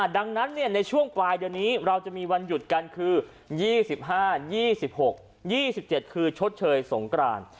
ดังนั้นในช่วงปลายเดือนนี้เราจะมีวันหยุดกันคือ๒๕๒๖๒๗คือชดเชยสงกราน